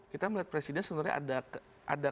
kita melihat presiden sebenarnya ada